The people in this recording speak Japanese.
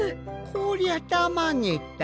こりゃたまげた。